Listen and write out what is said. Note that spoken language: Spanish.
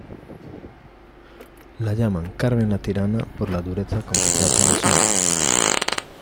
La llaman "Carmen La Tirana" por la dureza con que trata a los hombres.